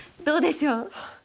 どうでしょう？